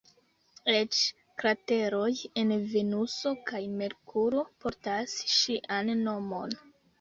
Eĉ krateroj en Venuso kaj Merkuro portas ŝian nomon.